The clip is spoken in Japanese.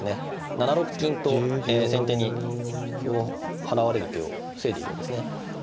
７六金と先手に歩を払われる手を防いでいるんですね。